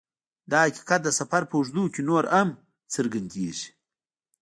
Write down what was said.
دا حقیقت د سفر په اوږدو کې نور هم څرګندیږي